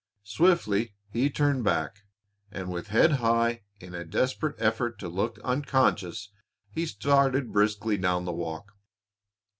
Swiftly he turned back, and with head high in a desperate effort to look unconscious, he started briskly down the walk.